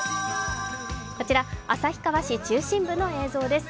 こちら旭川市中心部の映像です。